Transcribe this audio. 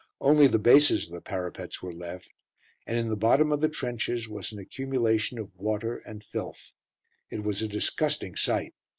Only the bases of the parapets were left, and in the bottom of the trenches was an accumulation of water and filth. It was a disgusting sight.